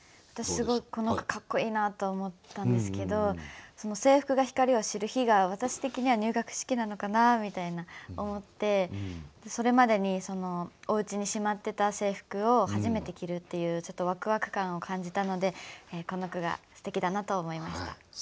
私すごいこの句かっこいいなと思ったんですけど「制服がひかりを知る日」が私的には入学式なのかなみたいな思ってそれまでにおうちにしまってた制服を初めて着るっていうわくわく感を感じたのでこの句がすてきだなと思いました。